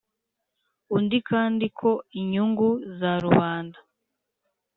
undi kandi ko inyungu za rubanda